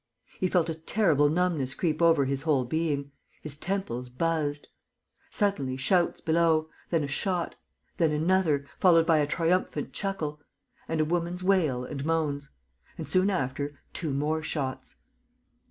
He felt a terrible numbness creep over his whole being. His temples buzzed. Suddenly, shouts below. Then a shot. Then another, followed by a triumphant chuckle. And a woman's wail and moans. And, soon after, two more shots.